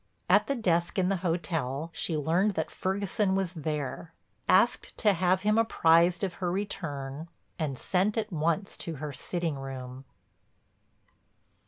At the desk in the hotel she learned that Ferguson was there, asked to have him apprised of her return and sent at once to her sitting room.